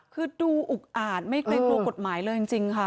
คือดูอุกอ่านไม่เคยดูกฎหมายเลยจริงค่ะ